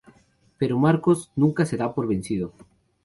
Pero Marcos nunca se da por vencido.